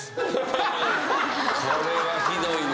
これはひどいよ